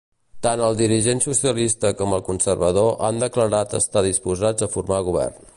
Tant el dirigent socialista com el conservador han declarat estar disposats a formar govern.